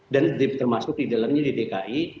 dan termasuk di dalamnya di dki